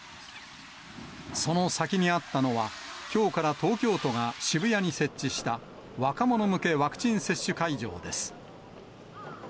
その先にあったのは、きょうから東京都が渋谷に設置した、若者向けワクチン接種会場です。